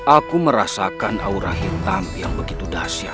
aku merasakan aura hitam yang begitu dahsyat